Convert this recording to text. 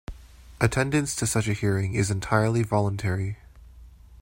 Attendance to such a hearing is entirely voluntary.